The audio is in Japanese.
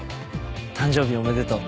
誕生日おめでとう。